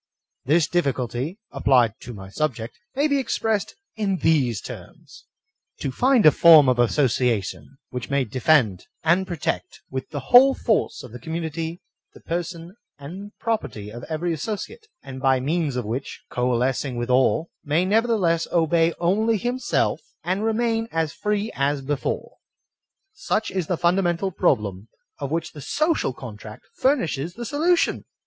This difficulty, applied to my subject, may be ex pressed in these terms: — *To find a form of association which may defend and protect with the whole force of the community the per son and property of every associate, and by means of which, coalescing with all, may nevertheless obey only himself, and remain as free as before.* Such is the fundamental problem of which the social contract fur nishes the solution.